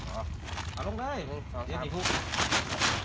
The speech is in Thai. เอาลงได้